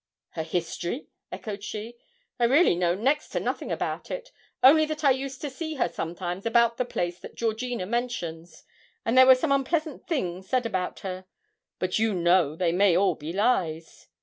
'Her history?' echoed she. 'I really know next to nothing about it; only that I used to see her sometimes about the place that Georgina mentions, and there were some unpleasant things said about her; but you know they may be all lies.